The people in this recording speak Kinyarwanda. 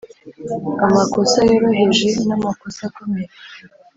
amakosa yoroheje na makosa akomeye,